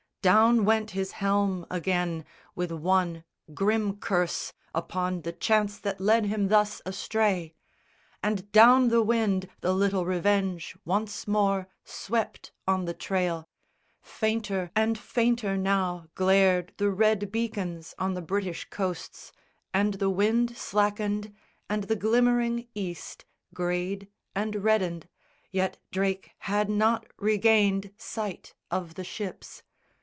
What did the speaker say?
Down went his helm again, with one grim curse Upon the chance that led him thus astray; And down the wind the little Revenge once more Swept on the trail. Fainter and fainter now Glared the red beacons on the British coasts, And the wind slackened and the glimmering East Greyed and reddened, yet Drake had not regained Sight of the ships.